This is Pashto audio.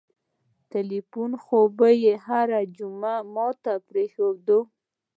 ټېلفون خو به يې هره جمعه ما ته پرېښووه.